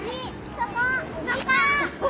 そこ！